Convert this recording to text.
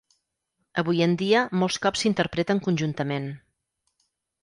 Avui en dia, molts cops s'interpreten conjuntament.